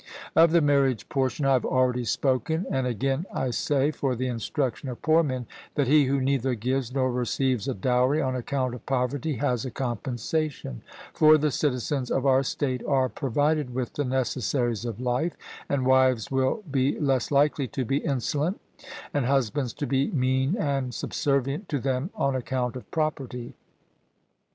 Of the marriage portion I have already spoken; and again I say for the instruction of poor men that he who neither gives nor receives a dowry on account of poverty, has a compensation; for the citizens of our state are provided with the necessaries of life, and wives will be less likely to be insolent, and husbands to be mean and subservient to them on account of property.